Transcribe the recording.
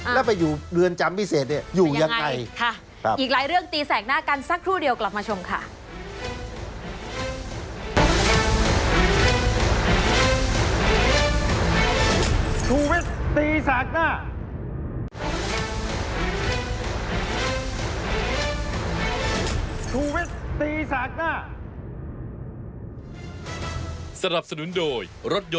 แล้วไปอยู่เดือนจำพิเศษอยู่อย่างไร